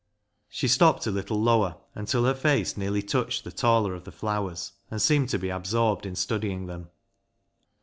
She stooped a little lower, until her face nearly touched the taller of the flowers, and seemed to be absorbed in studying them.